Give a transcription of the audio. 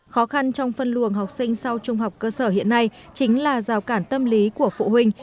khó khăn trong phân luồng học sinh sau trung học cơ sở hiện nay chính là rào cản tâm lý của phụ huynh